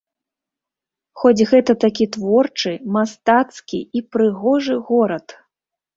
Хоць гэта такі творчы, мастацкі і прыгожы горад!